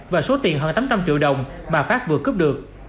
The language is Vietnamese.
và số tiền hơn tám trăm linh triệu đồng mà phát vừa cướp được